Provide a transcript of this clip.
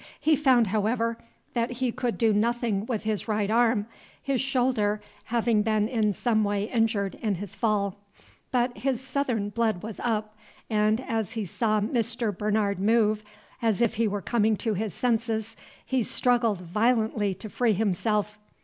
He found, however, that he could do nothing with his right arm, his shoulder having been in some way injured in his fall. But his Southern blood was up, and, as he saw Mr. Bernard move as if he were coming to his senses, he struggled violently to free himself.